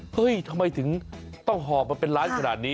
เฮ้ยทำไมถึงต้องหอบมาเป็นล้านขนาดนี้